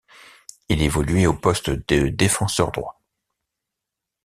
Il évoluait au poste de défenseur droit.